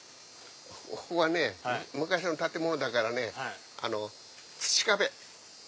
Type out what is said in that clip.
ここが昔の建物だからね土壁。